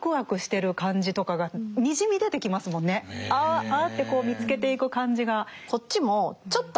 あ！ってこう見つけていく感じが。